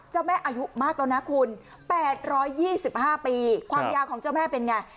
เจ้าแม่อายุมากแล้วนะคุณแปดร้อยยี่สิบห้าปีความยาวของเจ้าแม่เป็นไง